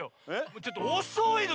ちょっとおそいの！